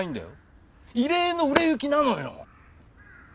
異例の売れ行きなのよ。